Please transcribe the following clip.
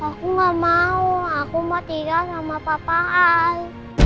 aku gak mau aku mau tinggal sama papa al